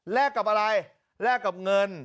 กับอะไรแลกกับเงิน